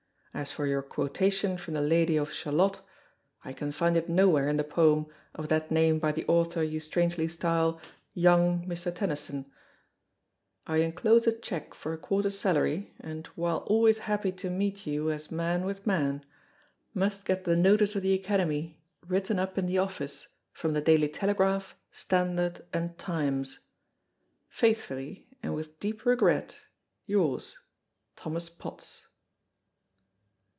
As for your quotation from the "Lady of Shalott," I can find it nowhere in the poem of that name by the author you strangely style "young Mr. Tennyson." I enclose a cheque for a quarter's salary, and, while always happy to meet you as man with man, must get the notice of the Academy written up in the office from the "Daily Telegraph," "Standard," and "Times." —Faithfully and with deep regret yours, THOMAS POTTS.